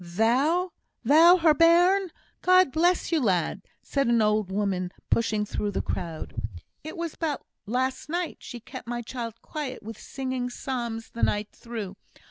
"Thou! thou her bairn! God bless you, lad," said an old woman, pushing through the crowd. "It was but last night she kept my child quiet with singing psalms the night through.